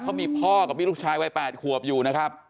เขามีพ่อกับมีลูกชายวัย๘ขวบอยู่นะครับ